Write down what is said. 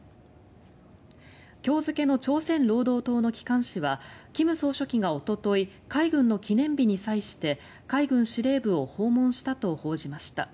今日付の朝鮮労働党の機関紙は金総書記がおととい海軍の記念日に際して海軍司令部を訪問したと報じました。